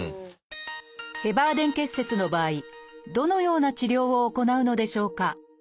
ヘバーデン結節の場合どのような治療を行うのでしょうか？